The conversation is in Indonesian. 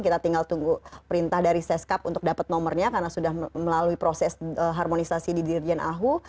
kita tinggal tunggu perintah dari seskap untuk dapat nomornya karena sudah melalui proses harmonisasi di dirjen ahu